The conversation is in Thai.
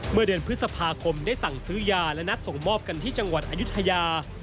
เมื่อเดือนพฤษภาคมได้สั่งซื้อยาและนัดส่งมอบกันที่จังหวัดอายุทยา